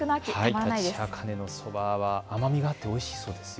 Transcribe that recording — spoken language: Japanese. タチアカネのそばは甘みがあっておいしいそうですよ。